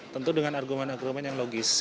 tentu dengan argumen argumen yang logis